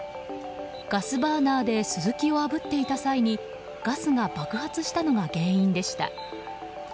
ガスバーナーでスズキをあぶっていた際にガスが爆発したのが原因でした。